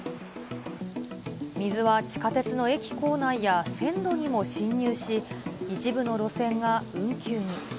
水は地下鉄の駅構内や線路にも侵入し、一部の路線が運休に。